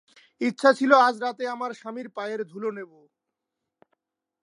ইচ্ছা ছিল আজ রাতে আমার স্বামীর পায়ের ধুলো নেব।